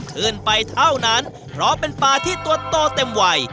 ขึ้นไปเท่านั้นเพราะเป็นปลาที่ตัวโตเต็มวัย